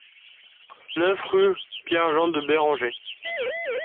neuf rue Pierre Jean de Béranger